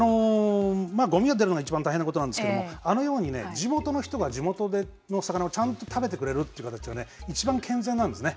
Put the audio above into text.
ごみが出るのがいちばん大変なことなんですけどもあのように地元の人が地元の魚をちゃんと食べてくれるという形はいちばん健全なんですね。